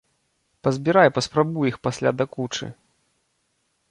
Пазбірай паспрабуй іх пасля да кучы.